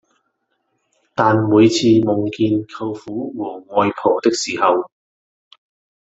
但每次夢見舅父和外婆的時候